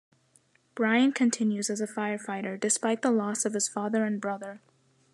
Brian continues as a firefighter despite the loss of his father and brother.